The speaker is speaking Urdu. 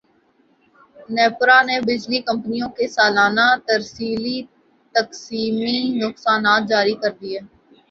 نیپرا نے بجلی کمپنیوں کے سالانہ ترسیلی تقسیمی نقصانات جاری کردیئے